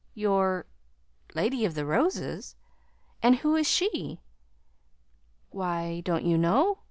"Your Lady of the Roses! And who is she?" "Why, don't you know?